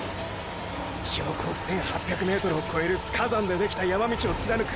標高１８００ｍをこえる火山でできた山道を貫く